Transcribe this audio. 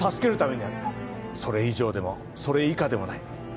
それ以上でもそれ以下でもない。